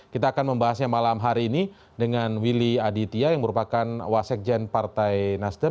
kita akan membahasnya malam hari ini dengan willy aditya yang merupakan wasekjen partai nasdem